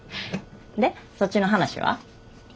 でそっちの話は？